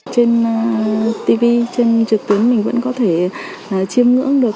trên tv trên trực tuyến mình vẫn có thể chiêm ngưỡng được